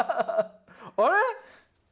あれ？